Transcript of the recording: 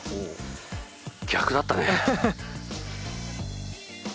逆だったね。